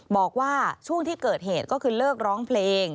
บอกว่าช่วงที่เกิดเหตุก็คือเลิกร้องเพลง